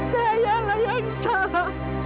sayalah yang salah